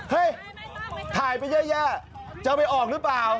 เฮ้ยถ่ายไปแย่จะเอาไปออกหรือเปล่า